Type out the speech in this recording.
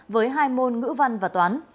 với hai môn ngữ văn và toán